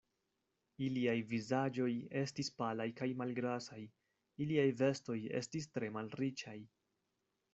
Iliaj vizaĝoj estis palaj kaj malgrasaj, iliaj vestoj estis tre malriĉaj.